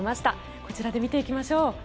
こちらで見ていきましょう。